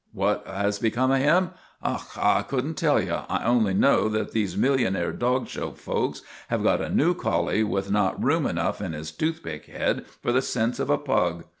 What has become of him? Och, I could n't tell ye. I only know that these millionaire dog show folks have got a new collie with not room enough in his toothpick head for the sense of a pug.